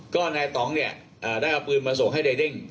ก็ในต่องได้เอาปืนมาส่งให้ในเด้ง